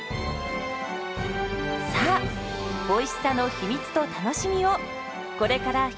さあおいしさの秘密と楽しみをこれからひもときましょう。